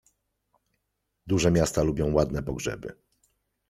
Duże miasta lubią ładne pogrzeby.